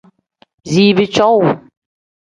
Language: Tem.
Ziibi cowuu.